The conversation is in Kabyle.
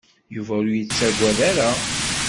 Yuba ur yettaggad ara.